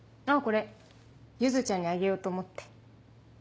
あっこれ柚ちゃんにあげようと思って。